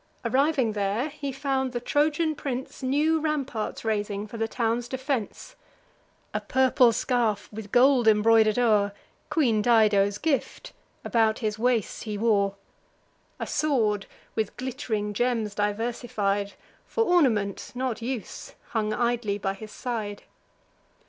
Arriving there, he found the Trojan prince New ramparts raising for the town's defence. A purple scarf, with gold embroider'd o'er, (Queen Dido's gift,) about his waist he wore; A sword, with glitt'ring gems diversified, For ornament, not use, hung idly by his side.